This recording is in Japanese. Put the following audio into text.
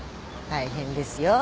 大変ですよ。